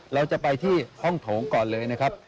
เราจะไปที่ห้องโถงก่อนเลยนะครับ